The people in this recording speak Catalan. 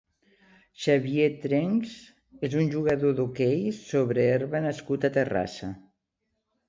Xavier Trenchs és un jugador d'hoquei sobre herba nascut a Terrassa.